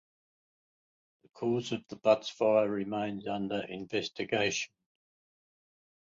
The cause of the Butts fire remains under investigation.